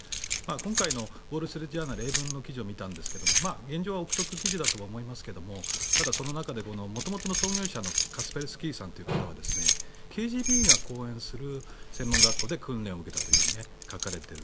今回のウォール・ストリート・ジャーナル英文の記事を見たんですが現状は臆測記事だと思いますがその中で元々の創業者のカスペルスキーさんという方はＫＧＢが講演する訓練を受けたと書かれている。